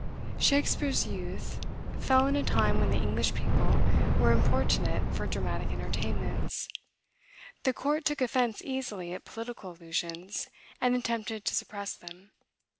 Shakspeare's youth fell in a time when the English people were importunate for dramatic entertainments. The court took offence easily at political allusions, and attempted to suppress them.